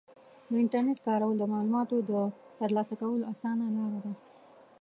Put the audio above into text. د انټرنیټ کارول د معلوماتو د ترلاسه کولو اسانه لاره ده.